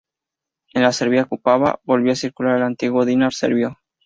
En la Serbia ocupada, volvió a circular el antiguo dinar serbio.